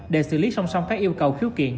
để xử lý song song các yêu cầu khiếu kiện